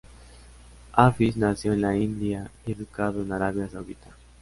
Hafiz nació en la India y educado en Arabia Saudita.